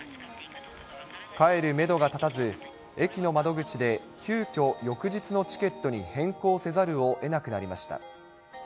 帰るメドが立たず、駅の窓口で急きょ、翌日のチケットに変更せざるをえなくなりました。